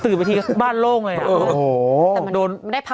ตื่นประทีบ้านโล่งเลยอ่ะ